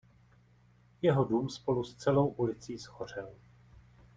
Jeho dům spolu s celou ulicí shořel.